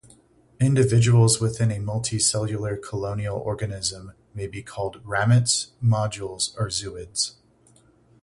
Individuals within a multicellular colonial organism may be called ramets, modules, or zooids.